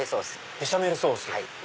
ベシャメルソース。